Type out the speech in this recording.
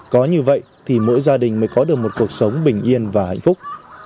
có như vậy thì mỗi gia đình mới có được một cuộc sống bình yên và hạnh phúc